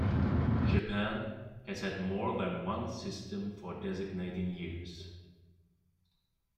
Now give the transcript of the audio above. Japan has had more than one system for designating years.